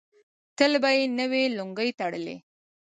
تل به یې نوې لونګۍ تړلې.